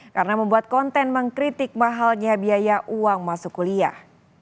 karena membuat konten mengkritik mahalnya biaya uang masuk kuliah